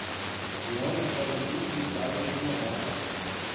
Um homem faz um truque de salto em uma moto